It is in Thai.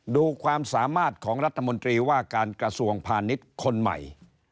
ดูความสามารถของรัฐมนตรีว่าการกระทรวงพาณิชย์คนใหม่